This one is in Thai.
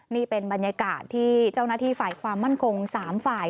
นี่เป็นบรรยากาศที่เจ้าหน้าที่ฝ่ายความมั่นคง๓ฝ่าย